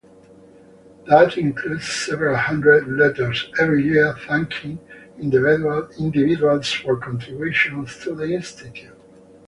That includes several hundred letters every year thanking individuals for contributions to the Institute.